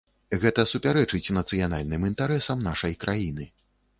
Гэта супярэчыць нацыянальным інтарэсам нашай краіны.